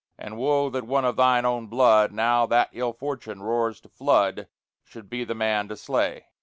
And woe that one of thine own blood, Now that ill fortune roars to flood, Should be the man to slay!)